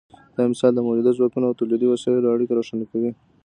دا مثال د مؤلده ځواکونو او تولیدي وسایلو اړیکه روښانه کوي.